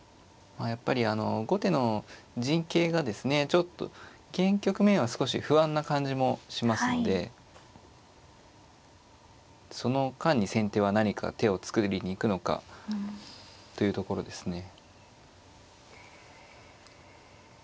ちょっと現局面は少し不安な感じもしますのでその間に先手は何か手を作りに行くのか。というところですね。